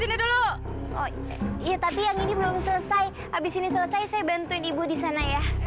abis ini selesai saya bantu ibu di sana ya